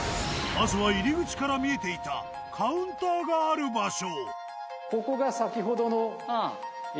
まずは入り口から見えていたカウンターがある場所。